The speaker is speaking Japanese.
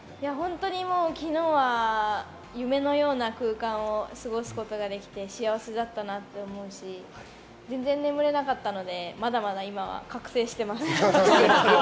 昨日は夢のような空間を過ごすことができて幸せだったなと思うし、全然眠れなかったので、まだまだ今は覚せいしています。